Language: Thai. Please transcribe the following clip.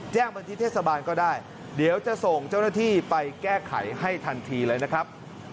บันทึกเทศบาลก็ได้เดี๋ยวจะส่งเจ้าหน้าที่ไปแก้ไขให้ทันทีเลยนะครับ